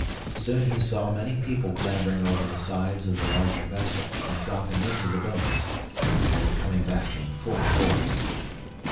Soon he saw many people clambering over the sides of the larger vessel and dropping into the boats. They were coming back in full force.